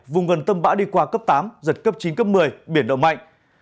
vùng gần tâm bão đi qua mạnh cấp tám giật cấp chín cấp một mươi biển đậu mạnh